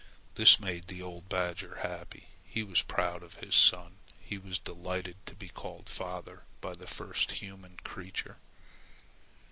This made the old badger happy. He was proud of his son. He was delighted to be called "father" by the first human creature.